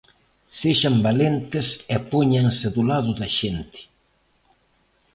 Sexan valentes e póñanse do lado da xente.